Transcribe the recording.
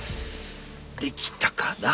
できたかな？